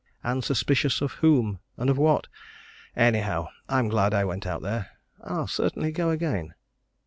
And suspicious of whom and of what? Anyhow, I'm glad I went out there and I'll certainly go again."